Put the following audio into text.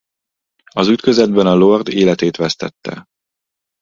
Az ütközetben a lord életét vesztette.